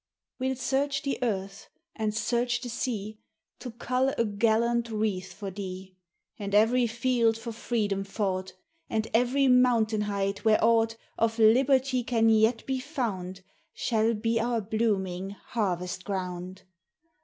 We '11 search the earth, and search the sea, To cull a gallant wreath for thee ; And every field for freedom fought, And every mountain height, where aught Of liberty can yet be found, Shall be our blooming harvest ground.